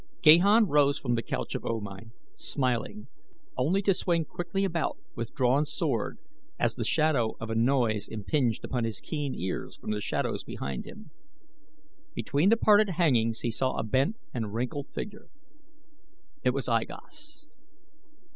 Gahan rose from the couch of O Mai, smiling, only to swing quickly about with drawn sword as the shadow of a noise impinged upon his keen ears from the shadows behind him. Between the parted hangings he saw a bent and wrinkled figure. It was I Gos.